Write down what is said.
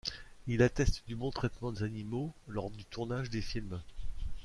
Il atteste du bon traitement des animaux lors du tournage des films.